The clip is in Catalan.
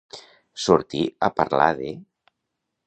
Sortir a parlar de.